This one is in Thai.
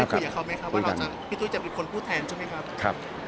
ได้คุยกับเขาไหมครับพี่โทรเจ็บอีกคนพูดแทนใช่มั้ยครับ